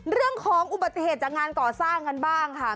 เรื่องของอุบัติเหตุจากงานก่อสร้างกันบ้างค่ะ